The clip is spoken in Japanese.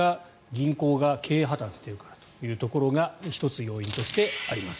銀行が経営破たんしているからというところが１つ、要因としてあります。